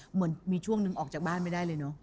เหมือนมีช่วงนึงออกจากบ้านไม่ได้เลยเนอะ